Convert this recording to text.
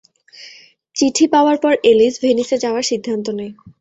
চিঠি পাওয়ার পর এলিস ভেনিসে যাওয়ার সিদ্ধান্ত নেয়।